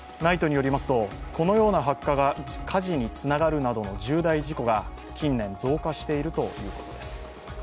ＮＩＴＥによりますと、このような発火がが火事につながるなどの重大事故が近年増加しているということです。